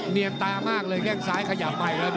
เนียนตามากเลยแค่งซ้ายขยับใหม่แล้ว